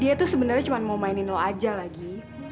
dia tuh sebenarnya cuma mau mainin low aja lagi